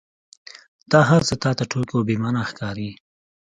دا هرڅه تا ته ټوکې او بې معنا ښکاري.